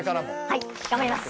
はい頑張ります！